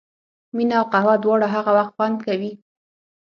مینه او قهوه دواړه هغه وخت خوند کوي.